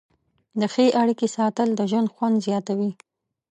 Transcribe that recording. د ښې اړیکې ساتل د ژوند خوند زیاتوي.